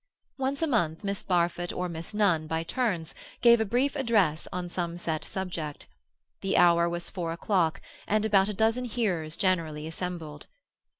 Once a month Miss Barfoot or Miss Nunn, by turns, gave a brief address on some set subject; the hour was four o'clock, and about a dozen hearers generally assembled.